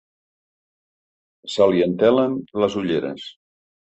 Se li entelen les ulleres.